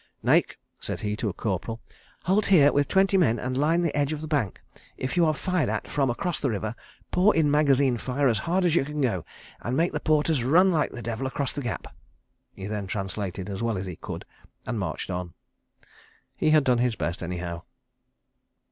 "Naik," said he, to a corporal, "halt here with twenty men and line the edge of the bank. If you are fired at from across the river, pour in magazine fire as hard as you can go—and make the porters run like the devil across this gap." He then translated, as well as he could, and marched on. He had done his best, anyhow.